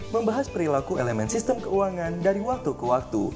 membahas perilaku elemen sistem keuangan dari waktu ke waktu